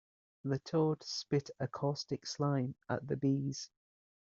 The toad spit a caustic slime at the bees.